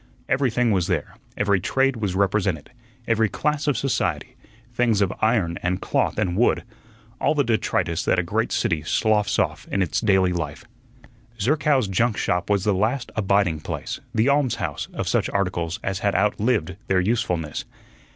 Everything was there, every trade was represented, every class of society; things of iron and cloth and wood; all the detritus that a great city sloughs off in its daily life. Zerkow's junk shop was the last abiding place, the almshouse, of such articles as had outlived their usefulness.